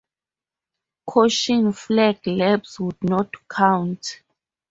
Caution flag laps would not count.